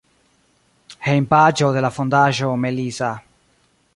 Hejmpaĝo de la Fondaĵo "Melissa".